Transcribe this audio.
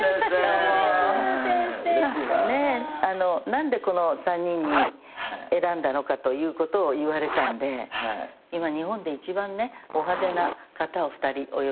何でこの３人に選んだのかということを言われたんで今日本で一番ねお派手な方を２人。